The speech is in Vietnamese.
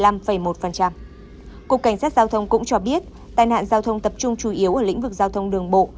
cục cảnh sát giao thông cũng cho biết tai nạn giao thông tập trung chủ yếu ở lĩnh vực giao thông đường bộ